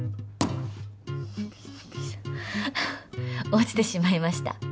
落ちてしまいました。